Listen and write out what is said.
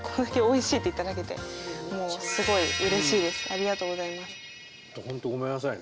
ありがとうございます。